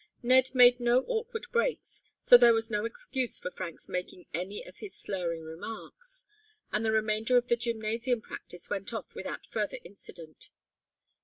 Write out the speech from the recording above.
Ned made no awkward breaks, so there was no excuse for Frank's making any of his slurring remarks, and the remainder of the gymnasium practice went off without further incident.